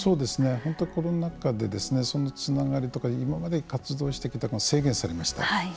本当コロナ禍でそのつながりとか今まで活動してきたことが制限されました。